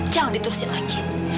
jangan diturusin lagi